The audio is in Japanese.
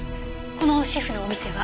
このシェフのお店は？